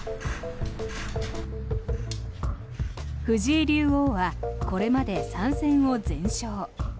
藤井竜王はこれまで３戦を全勝。